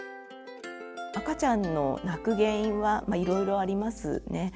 赤ちゃんの泣く原因はいろいろありますね。